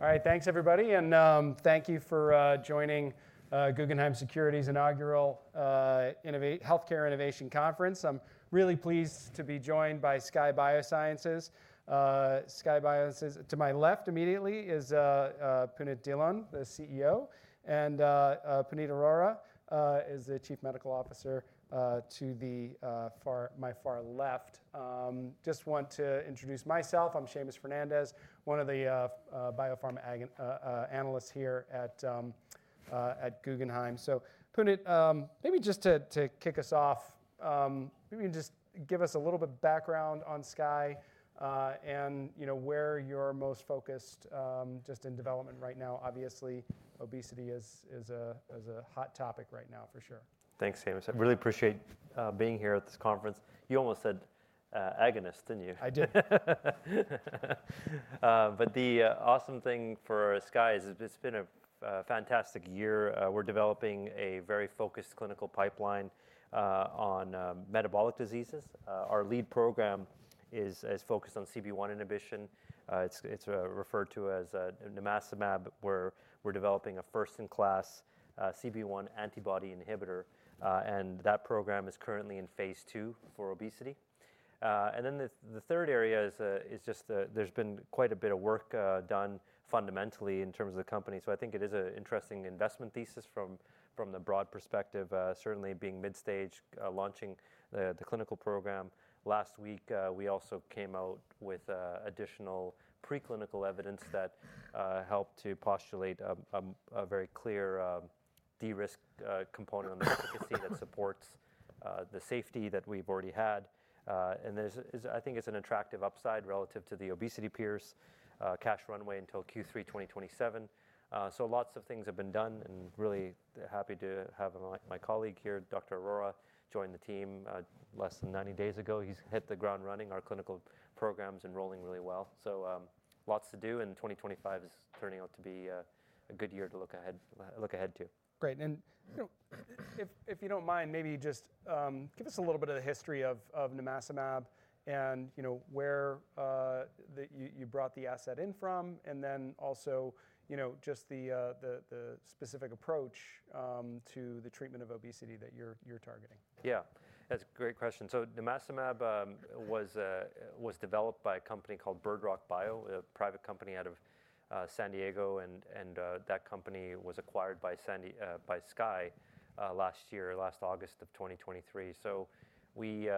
All right, thanks everybody, and thank you for joining Guggenheim Securities' inaugural Healthcare Innovation Conference. I'm really pleased to be joined by Skye Bioscience. Skye Bioscience, to my left immediately is Punit Dhillon, the CEO, and Puneet Arora is the Chief Medical Officer to my far left. Just want to introduce myself. I'm Seamus Fernandez, one of the biopharma analysts here at Guggenheim. So Punit, maybe just to kick us off, maybe just give us a little bit of background on Skye and where you're most focused just in development right now. Obviously, obesity is a hot topic right now, for sure. Thanks, Seamus. I really appreciate being here at this conference. You almost said agonist, didn't you? I did. But the awesome thing for Skye is it's been a fantastic year. We're developing a very focused clinical pipeline on metabolic diseases. Our lead program is focused on CB1 inhibition. It's referred to as nimacimab, where we're developing a first-in-class CB1 antibody inhibitor, and that program is currently in phase II for obesity. And then the third area is just there's been quite a bit of work done fundamentally in terms of the company. So I think it is an interesting investment thesis from the broad perspective, certainly being mid-stage, launching the clinical program. Last week, we also came out with additional preclinical evidence that helped to postulate a very clear de-risk component on the efficacy that supports the safety that we've already had. And I think it's an attractive upside relative to the obesity peers, cash runway until Q3 2027. So lots of things have been done, and really happy to have my colleague here, Dr. Arora, join the team less than 90 days ago. He's hit the ground running. Our clinical program's enrolling really well. So lots to do, and 2025 is turning out to be a good year to look ahead to. Great. And if you don't mind, maybe just give us a little bit of the history of nimacimab and where you brought the asset in from, and then also just the specific approach to the treatment of obesity that you're targeting? Yeah, that's a great question. So nimacimab was developed by a company called Bird Rock Bio, a private company out of San Diego, and that company was acquired by Skye last year, last August of 2023. So we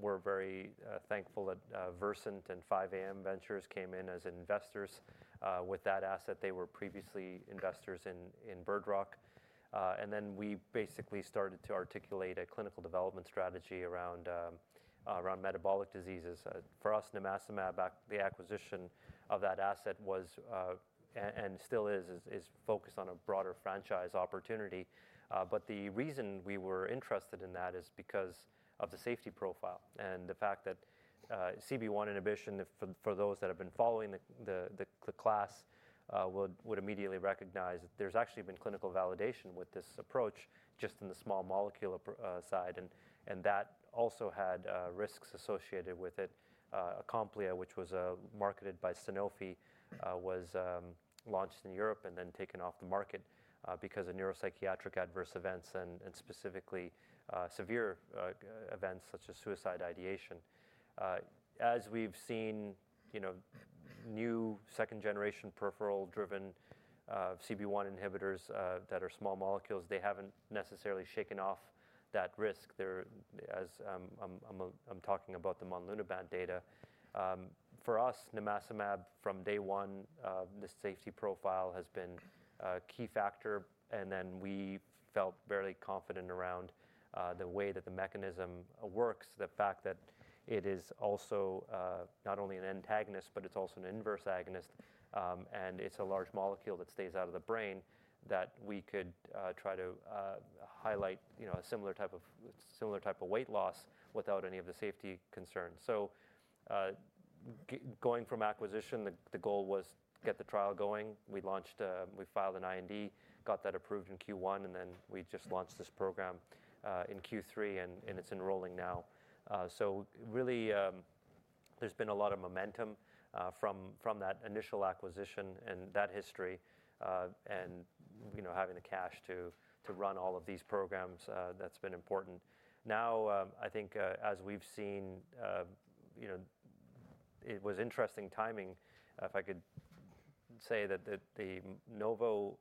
were very thankful that Versant and 5AM Ventures came in as investors with that asset. They were previously investors in Bird Rock. And then we basically started to articulate a clinical development strategy around metabolic diseases. For us, nimacimab, the acquisition of that asset was and still is focused on a broader franchise opportunity. But the reason we were interested in that is because of the safety profile and the fact that CB1 inhibition, for those that have been following the class, would immediately recognize that there's actually been clinical validation with this approach just in the small molecule side. And that also had risks associated with it. Acomplia, which was marketed by Sanofi, was launched in Europe and then taken off the market because of neuropsychiatric adverse events and specifically severe events such as suicide ideation. As we've seen new second-generation peripheral-driven CB1 inhibitors that are small molecules, they haven't necessarily shaken off that risk. As I'm talking about the monlunabant data, for us, nimacimab from day one, the safety profile has been a key factor. Then we felt fairly confident around the way that the mechanism works, the fact that it is also not only an antagonist, but it's also an inverse agonist. It's a large molecule that stays out of the brain that we could try to highlight a similar type of weight loss without any of the safety concerns. Going from acquisition, the goal was to get the trial going. We filed an IND, got that approved in Q1, and then we just launched this program in Q3, and it's enrolling now. So really, there's been a lot of momentum from that initial acquisition and that history and having the cash to run all of these programs. That's been important. Now, I think as we've seen, it was interesting timing. If I could say that the Novo,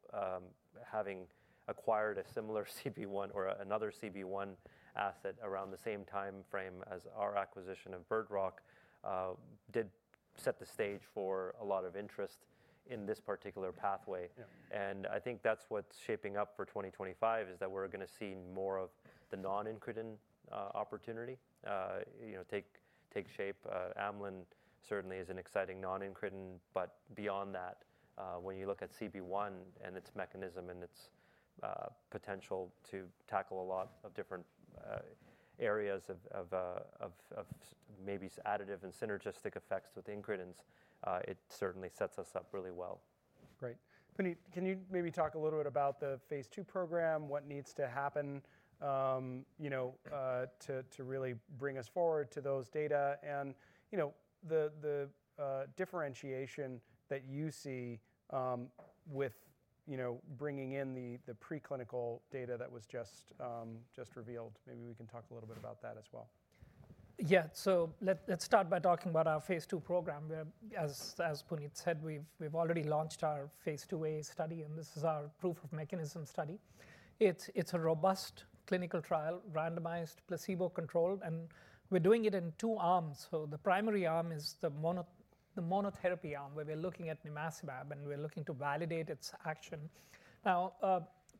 having acquired a similar CB1 or another CB1 asset around the same time frame as our acquisition of Bird Rock, did set the stage for a lot of interest in this particular pathway. And I think that's what's shaping up for 2025 is that we're going to see more of the non-incretin opportunity take shape. Amylin certainly is an exciting non-incretin. But beyond that, when you look at CB1 and its mechanism and its potential to tackle a lot of different areas of maybe additive and synergistic effects with incretins, it certainly sets us up really well. Great. Puneet, can you maybe talk a little bit about the phase II program, what needs to happen to really bring us forward to those data and the differentiation that you see with bringing in the preclinical data that was just revealed? Maybe we can talk a little bit about that as well. Yeah, so let's start by talking about our phase II program. As Punit said, we've already launched our phase II-A study, and this is our proof of mechanism study. It's a robust clinical trial, randomized, placebo-controlled, and we're doing it in two arms. So the primary arm is the monotherapy arm where we're looking at nimacimab, and we're looking to validate its action. Now,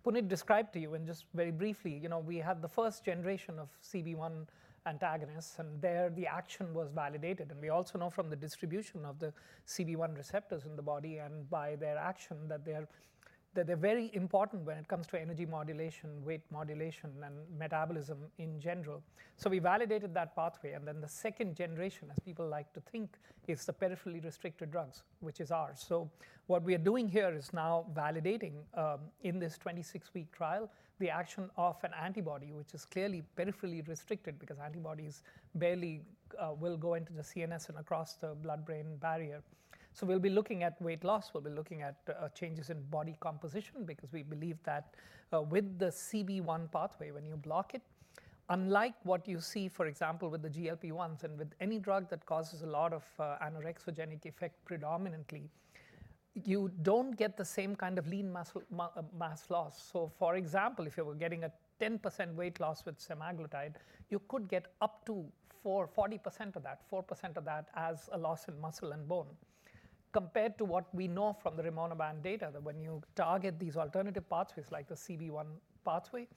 Punit described to you and just very briefly, we had the first generation of CB1 antagonists, and there the action was validated. And we also know from the distribution of the CB1 receptors in the body and by their action that they're very important when it comes to energy modulation, weight modulation, and metabolism in general. So we validated that pathway. And then the second generation, as people like to think, is the peripherally restricted drugs, which is ours. What we are doing here is now validating in this 26-week trial the action of an antibody, which is clearly peripherally restricted because antibodies barely will go into the CNS and across the blood-brain barrier. We'll be looking at weight loss. We'll be looking at changes in body composition because we believe that with the CB1 pathway, when you block it, unlike what you see, for example, with the GLP-1s and with any drug that causes a lot of anorexigenic effect predominantly, you don't get the same kind of lean mass loss. For example, if you were getting a 10% weight loss with semaglutide, you could get up to 40% of that, 4% of that as a loss in muscle and bone. Compared to what we know from the rimonabant data, that when you target these alternative pathways like the CB1 pathway,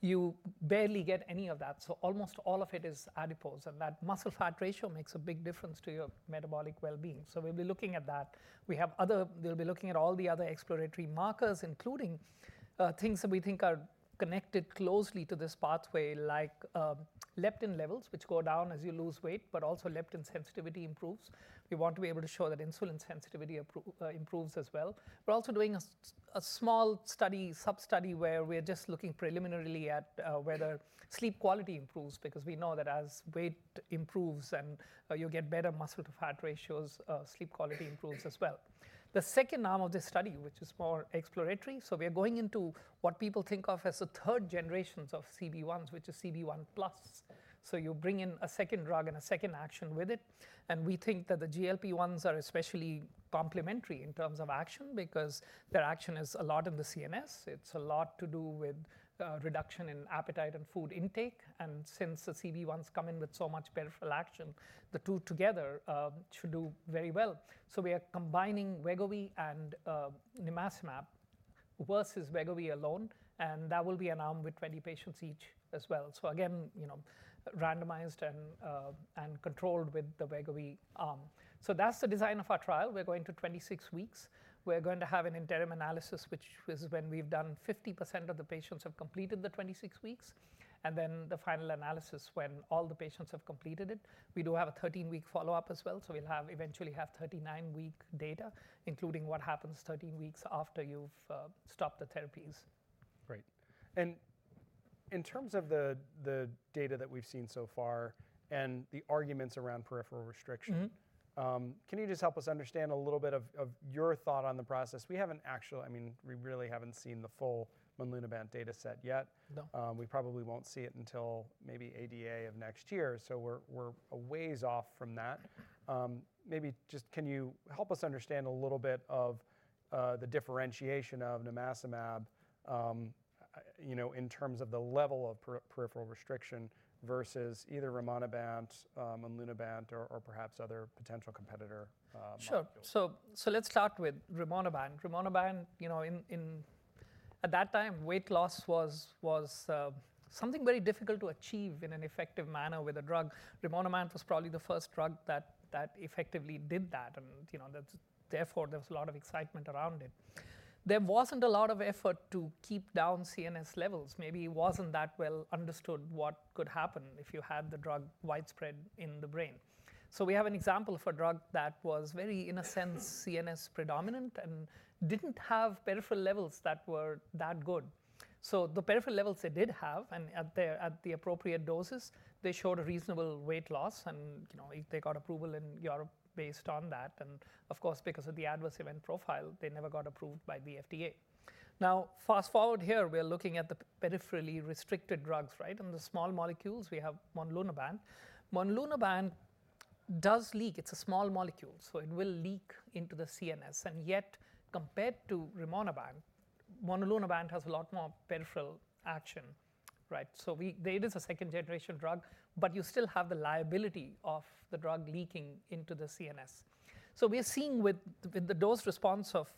you barely get any of that, so almost all of it is adipose, and that muscle fat ratio makes a big difference to your metabolic well-being, so we'll be looking at that. We'll be looking at all the other exploratory markers, including things that we think are connected closely to this pathway, like leptin levels, which go down as you lose weight, but also leptin sensitivity improves. We want to be able to show that insulin sensitivity improves as well. We're also doing a small study, sub-study, where we're just looking preliminarily at whether sleep quality improves because we know that as weight improves and you get better muscle-to-fat ratios, sleep quality improves as well. The second arm of this study, which is more exploratory, so we are going into what people think of as the third generations of CB1s, which is CB1 Plus. So you bring in a second drug and a second action with it. And we think that the GLP-1s are especially complementary in terms of action because their action is a lot in the CNS. It's a lot to do with reduction in appetite and food intake. And since the CB1s come in with so much peripheral action, the two together should do very well. So we are combining Wegovy and nimacimab versus Wegovy alone, and that will be an arm with 20 patients each as well. So again, randomized and controlled with the Wegovy arm. So that's the design of our trial. We're going to 26 weeks. We're going to have an interim analysis, which is when we've done 50% of the patients have completed the 26 weeks, and then the final analysis when all the patients have completed it. We do have a 13-week follow-up as well, so we'll eventually have 39-week data, including what happens 13 weeks after you've stopped the therapies. Great. And in terms of the data that we've seen so far and the arguments around peripheral restriction, can you just help us understand a little bit of your thought on the process? We haven't actually, I mean, we really haven't seen the full monlunabant dataset yet. We probably won't see it until maybe ADA of next year. So we're a ways off from that. Maybe just can you help us understand a little bit of the differentiation of nimacimab in terms of the level of peripheral restriction versus either rimonabant, monlunabant, or perhaps other potential competitor molecules? Sure. So let's start with rimonabant. Rimonabant, at that time, weight loss was something very difficult to achieve in an effective manner with a drug. Rimonabant was probably the first drug that effectively did that. And therefore, there was a lot of excitement around it. There wasn't a lot of effort to keep down CNS levels. Maybe it wasn't that well understood what could happen if you had the drug widespread in the brain. So we have an example for a drug that was very, in a sense, CNS predominant and didn't have peripheral levels that were that good. So the peripheral levels it did have, and at the appropriate doses, they showed a reasonable weight loss, and they got approval in Europe based on that. And of course, because of the adverse event profile, they never got approved by the FDA. Now, fast forward here, we are looking at the peripherally restricted drugs, right? And the small molecules, we have monlunabant. Monlunabant does leak. It's a small molecule, so it will leak into the CNS. And yet, compared to rimonabant, monlunabant has a lot more peripheral action, right? So it is a second-generation drug, but you still have the liability of the drug leaking into the CNS. So we are seeing with the dose response of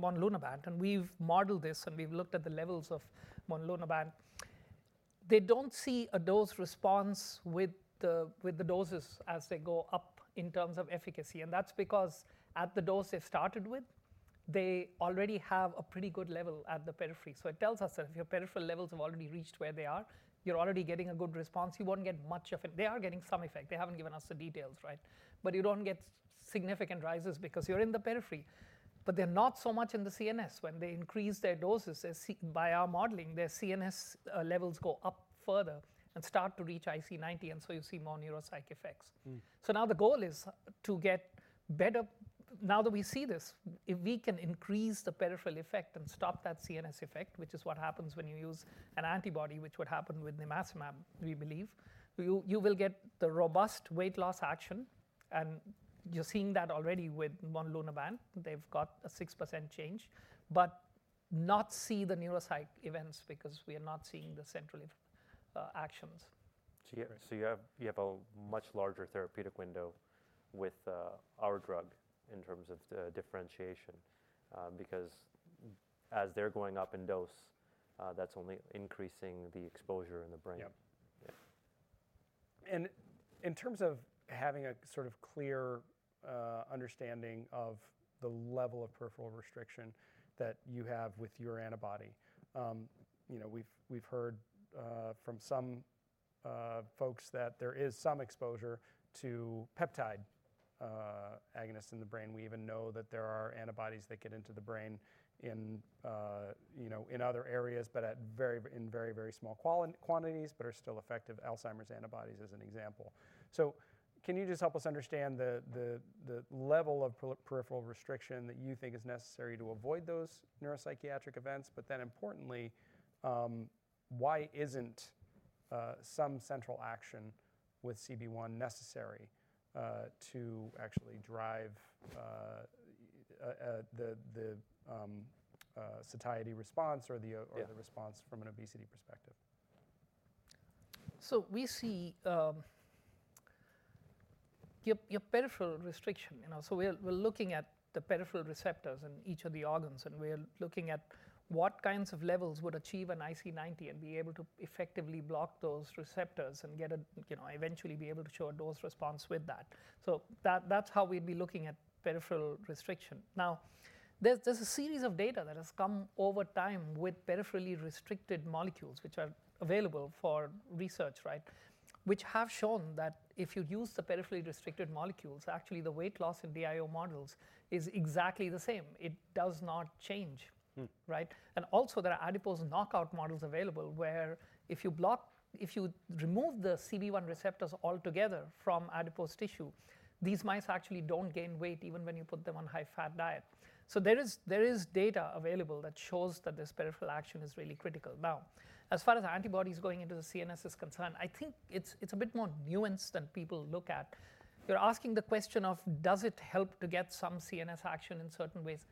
monlunabant, and we've modeled this and we've looked at the levels of monlunabant, they don't see a dose response with the doses as they go up in terms of efficacy. And that's because at the dose they started with, they already have a pretty good level at the periphery. So it tells us that if your peripheral levels have already reached where they are, you're already getting a good response. You won't get much of it. They are getting some effect. They haven't given us the details, right? But you don't get significant rises because you're in the periphery, but they're not so much in the CNS. When they increase their doses, by our modeling, their CNS levels go up further and start to reach IC90, and so you see more neuropsych effects. So now the goal is to get better. Now that we see this, if we can increase the peripheral effect and stop that CNS effect, which is what happens when you use an antibody, which would happen with nimacimab, we believe, you will get the robust weight loss action. And you're seeing that already with monlunabant. They've got a 6% change, but not see the neuropsych events because we are not seeing the central actions. So you have a much larger therapeutic window with our drug in terms of differentiation because as they're going up in dose, that's only increasing the exposure in the brain. Yeah. And in terms of having a sort of clear understanding of the level of peripheral restriction that you have with your antibody, we've heard from some folks that there is some exposure to peptide agonists in the brain. We even know that there are antibodies that get into the brain in other areas, but in very, very small quantities, but are still effective. Alzheimer's antibodies is an example. So can you just help us understand the level of peripheral restriction that you think is necessary to avoid those neuropsychiatric events? But then importantly, why isn't some central action with CB1 necessary to actually drive the satiety response or the response from an obesity perspective? We see your peripheral restriction. We're looking at the peripheral receptors in each of the organs, and we're looking at what kinds of levels would achieve an IC90 and be able to effectively block those receptors and eventually be able to show a dose response with that. That's how we'd be looking at peripheral restriction. Now, there's a series of data that has come over time with peripherally restricted molecules, which are available for research, right, which have shown that if you use the peripherally restricted molecules, actually the weight loss in DIO models is exactly the same. It does not change, right? Also, there are adipose knockout models available where if you remove the CB1 receptors altogether from adipose tissue, these mice actually don't gain weight even when you put them on a high-fat diet. So there is data available that shows that this peripheral action is really critical. Now, as far as antibodies going into the CNS is concerned, I think it's a bit more nuanced than people look at. You're asking the question of, does it help to get some CNS action in certain ways?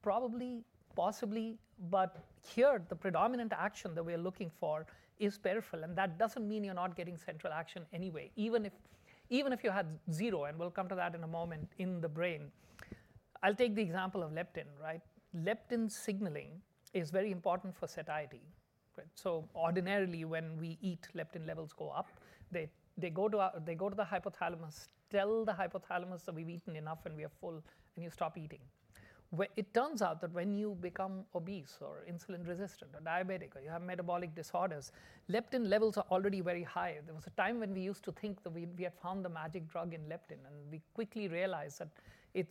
Probably, possibly, but here, the predominant action that we are looking for is peripheral. And that doesn't mean you're not getting central action anyway, even if you had zero, and we'll come to that in a moment, in the brain. I'll take the example of leptin, right? Leptin signaling is very important for satiety. So ordinarily, when we eat, leptin levels go up. They go to the hypothalamus, tell the hypothalamus that we've eaten enough and we are full, and you stop eating. It turns out that when you become obese or insulin resistant or diabetic or you have metabolic disorders, leptin levels are already very high. There was a time when we used to think that we had found the magic drug in leptin, and we quickly realized that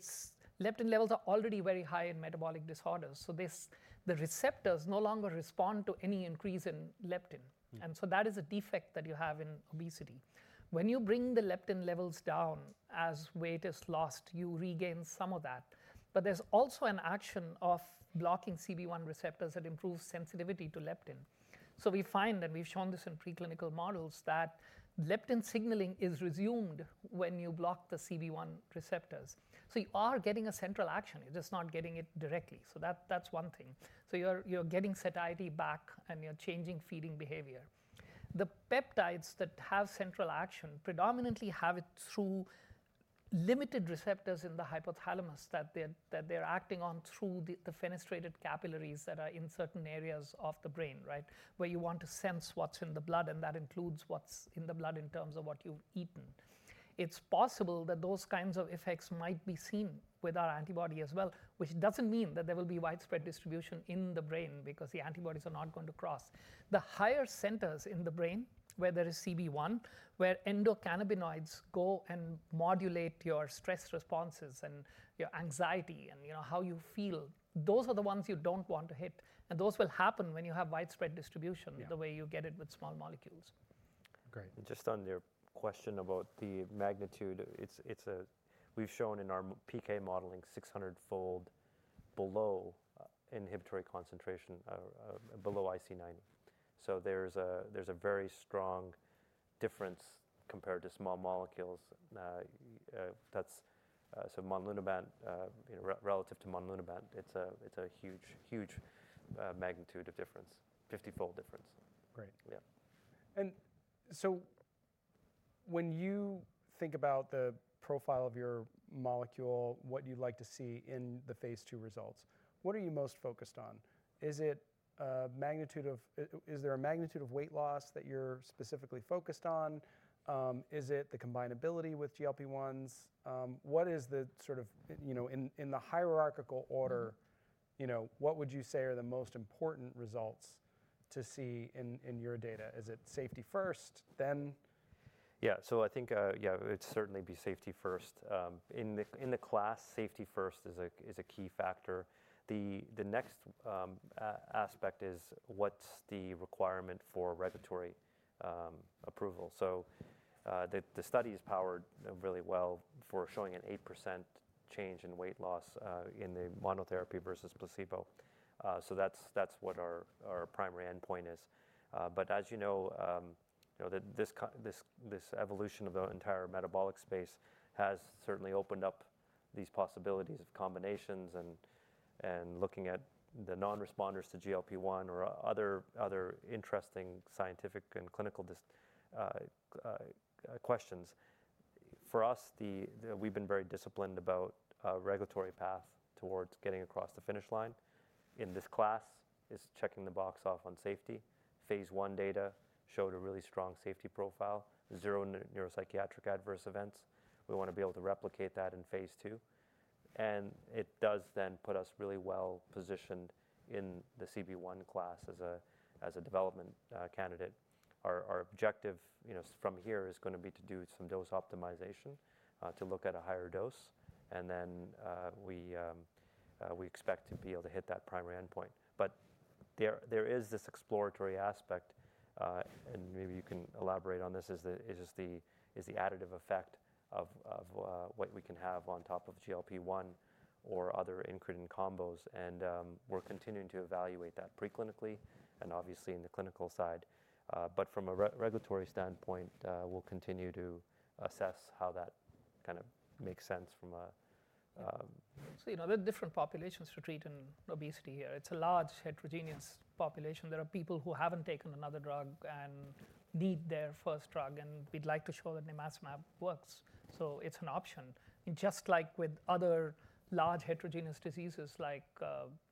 leptin levels are already very high in metabolic disorders. So the receptors no longer respond to any increase in leptin. And so that is a defect that you have in obesity. When you bring the leptin levels down as weight is lost, you regain some of that. But there's also an action of blocking CB1 receptors that improves sensitivity to leptin. So we find, and we've shown this in preclinical models, that leptin signaling is resumed when you block the CB1 receptors. So you are getting a central action. You're just not getting it directly. So that's one thing. So you're getting satiety back, and you're changing feeding behavior. The peptides that have central action predominantly have it through limited receptors in the hypothalamus that they're acting on through the fenestrated capillaries that are in certain areas of the brain, right, where you want to sense what's in the blood, and that includes what's in the blood in terms of what you've eaten. It's possible that those kinds of effects might be seen with our antibody as well, which doesn't mean that there will be widespread distribution in the brain because the antibodies are not going to cross. The higher centers in the brain where there is CB1, where endocannabinoids go and modulate your stress responses and your anxiety and how you feel, those are the ones you don't want to hit. And those will happen when you have widespread distribution the way you get it with small molecules. Great. And just on your question about the magnitude, we've shown in our PK modeling 600-fold below inhibitory concentration, below IC90. So there's a very strong difference compared to small molecules. So relative to monlunabant, it's a huge, huge magnitude of difference, 50-fold difference. Great. Yeah. And so when you think about the profile of your molecule, what you'd like to see in the phase II results, what are you most focused on? Is there a magnitude of weight loss that you're specifically focused on? Is it the combinability with GLP-1s? What is the sort of, in the hierarchical order, what would you say are the most important results to see in your data? Is it safety first, then? Yeah. So I think, yeah, it'd certainly be safety first. In the class, safety first is a key factor. The next aspect is what's the requirement for regulatory approval? So the study is powered really well for showing an 8% change in weight loss in the monotherapy versus placebo. So that's what our primary endpoint is. But as you know, this evolution of the entire metabolic space has certainly opened up these possibilities of combinations and looking at the non-responders to GLP-1 or other interesting scientific and clinical questions. For us, we've been very disciplined about a regulatory path towards getting across the finish line in this class is checking the box off on safety. Phase I data showed a really strong safety profile, zero neuropsychiatric adverse events. We want to be able to replicate that in phase II. It does then put us really well positioned in the CB1 class as a development candidate. Our objective from here is going to be to do some dose optimization to look at a higher dose, and then we expect to be able to hit that primary endpoint. There is this exploratory aspect, and maybe you can elaborate on this: the additive effect of what we can have on top of GLP-1 or other incretin combos. We're continuing to evaluate that preclinically and obviously in the clinical side. From a regulatory standpoint, we'll continue to assess how that kind of makes sense from a. So there are different populations to treat in obesity here. It's a large heterogeneous population. There are people who haven't taken another drug and need their first drug, and we'd like to show that nimacimab works. So it's an option. And just like with other large heterogeneous diseases like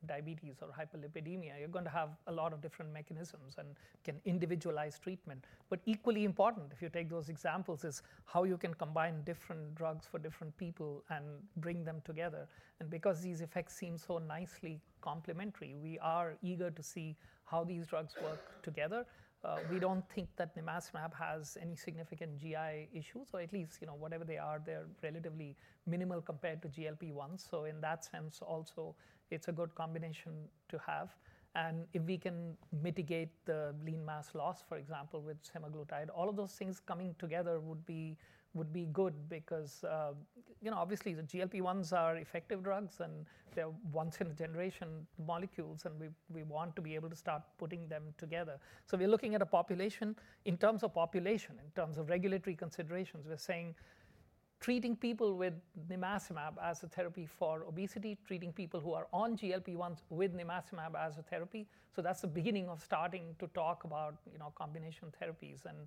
diabetes or hyperlipidemia, you're going to have a lot of different mechanisms and can individualize treatment. But equally important, if you take those examples, is how you can combine different drugs for different people and bring them together. And because these effects seem so nicely complementary, we are eager to see how these drugs work together. We don't think that nimacimab has any significant GI issues, or at least whatever they are, they're relatively minimal compared to GLP-1. So in that sense, also, it's a good combination to have. And if we can mitigate the lean mass loss, for example, with semaglutide, all of those things coming together would be good because obviously the GLP-1s are effective drugs, and they're once in a generation molecules, and we want to be able to start putting them together. So we're looking at a population in terms of population, in terms of regulatory considerations. We're saying treating people with nimacimab as a therapy for obesity, treating people who are on GLP-1s with nimacimab as a therapy. So that's the beginning of starting to talk about combination therapies. And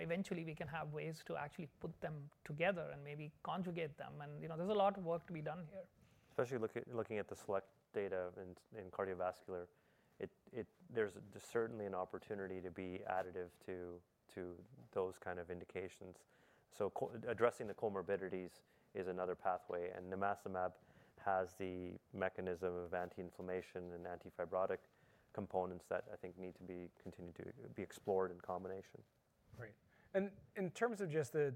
eventually, we can have ways to actually put them together and maybe conjugate them. And there's a lot of work to be done here. Especially looking at the SELECT data in cardiovascular, there's certainly an opportunity to be additive to those kind of indications. So addressing the comorbidities is another pathway. And nimacimab has the mechanism of anti-inflammation and antifibrotic components that I think need to be continued to be explored in combination. Great. And in terms of just the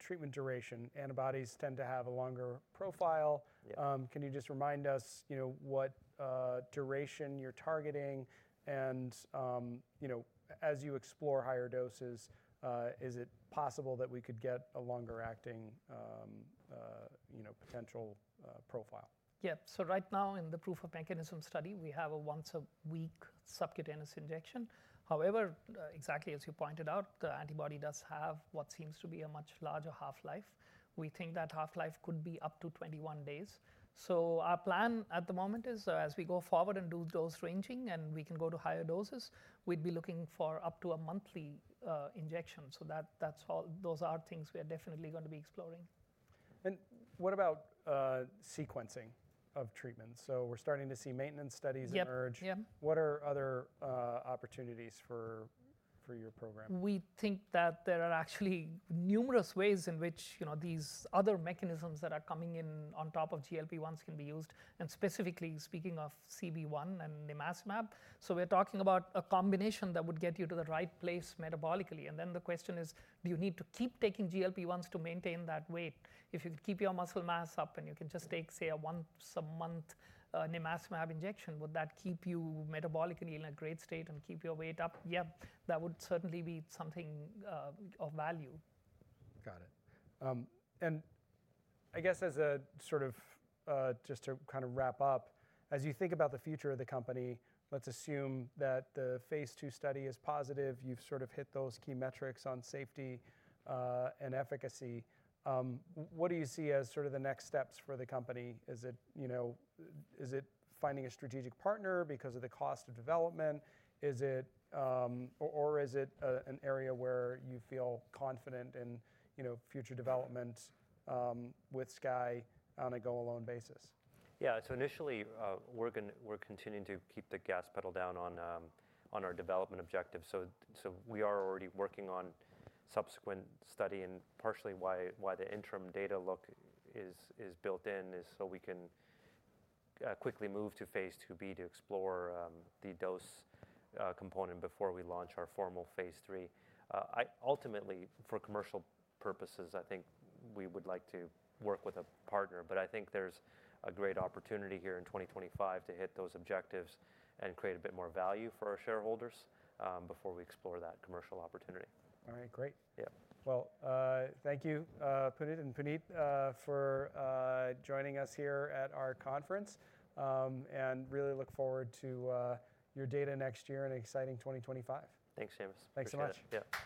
treatment duration, antibodies tend to have a longer profile. Can you just remind us what duration you're targeting? And as you explore higher doses, is it possible that we could get a longer-acting potential profile? Yeah. So right now, in the proof of mechanism study, we have a once-a-week subcutaneous injection. However, exactly as you pointed out, the antibody does have what seems to be a much larger half-life. We think that half-life could be up to 21 days. So our plan at the moment is, as we go forward and do dose ranging and we can go to higher doses, we'd be looking for up to a monthly injection. So those are things we are definitely going to be exploring. What about sequencing of treatments? We're starting to see maintenance studies emerge. What are other opportunities for your program? We think that there are actually numerous ways in which these other mechanisms that are coming in on top of GLP-1s can be used. And specifically speaking of CB1 and nimacimab, so we're talking about a combination that would get you to the right place metabolically. And then the question is, do you need to keep taking GLP-1s to maintain that weight? If you could keep your muscle mass up and you can just take, say, a once-a-month nimacimab injection, would that keep you metabolically in a great state and keep your weight up? Yeah, that would certainly be something of value. Got it. And I guess as a sort of just to kind of wrap up, as you think about the future of the company, let's assume that the phase II study is positive. You've sort of hit those key metrics on safety and efficacy. What do you see as sort of the next steps for the company? Is it finding a strategic partner because of the cost of development, or is it an area where you feel confident in future development with Skye on a go-alone basis? Yeah. So initially, we're continuing to keep the gas pedal down on our development objective. So we are already working on subsequent study, and partially why the interim data look is built in is so we can quickly move to phase II-B to explore the dose component before we launch our formal phase III. Ultimately, for commercial purposes, I think we would like to work with a partner. But I think there's a great opportunity here in 2025 to hit those objectives and create a bit more value for our shareholders before we explore that commercial opportunity. All right. Great. Yeah. Thank you, Punit and Puneet, for joining us here at our conference, and really look forward to your data next year and an exciting 2025. Thanks, Seamus. Thanks so much. Yeah.